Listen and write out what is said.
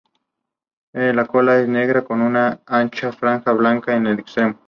Estas pinturas impiden que los organismos se adhieran a las superficies tratadas.